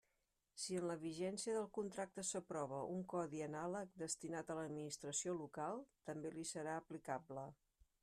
Si en la vigència del contracte s'aprova un codi anàleg destinat a l'administració local, també li serà aplicable.